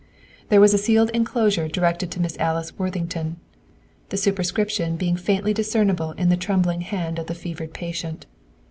There was a sealed enclosure directed to Miss Alice Worthington, the superscription being faintly discernable in the trembling hand of the fever patient.